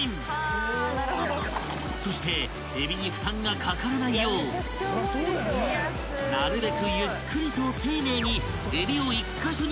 ［そしてえびに負担がかからないようなるべくゆっくりと丁寧に］